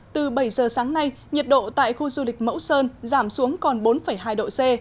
từ bảy giờ sáng nay nhiệt độ tại khu du lịch mẫu sơn giảm xuống còn bốn hai độ c